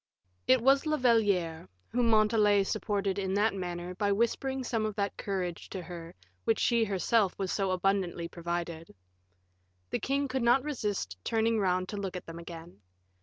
It was La Valliere whom Montalais supported in that manner by whispering some of that courage to her with which she herself was so abundantly provided. The king could not resist turning round to look at them again.